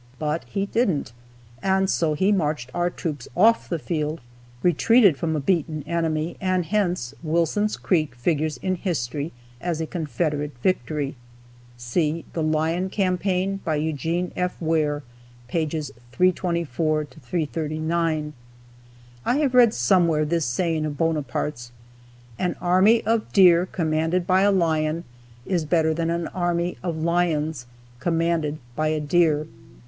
But he didn't, and so he marched our troops off the field, retreated from a beaten enemy, and hence Wilson's Creek figures in history as a Confederate victory. (See "The Lyon Campaign," by Eugene F. Ware, pp. 324 339.) I have read somewhere this saying of Bonaparte's: "An army of deer commanded by a lion is better than an army of lions commanded by a deer."